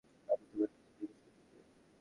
আমি তোমাকে কিছু জিজ্ঞেস করতে চাই।